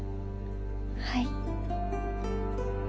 はい。